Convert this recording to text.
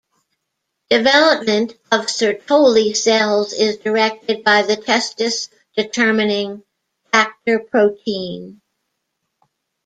Development of Sertoli cells is directed by the testis-determining factor protein.